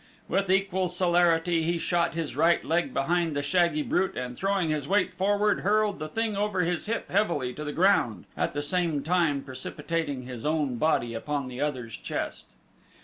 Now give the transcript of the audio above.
With equal celerity he shot his right leg behind the shaggy brute and throwing his weight forward hurled the thing over his hip heavily to the ground, at the same time precipitating his own body upon the other's chest.